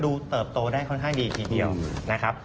เติบโตได้ค่อนข้างดีทีเดียวนะครับ